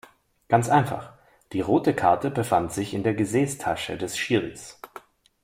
Ganz einfach: Die rote Karte befand sich in der Gesäßtasche des Schiris.